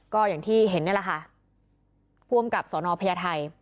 ก็อย่างที่เห็นเนี่ยแหละค่ะภวมกับสอนอพยาไทย